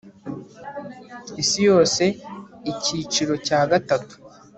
Isi yose icyicirocya gatatu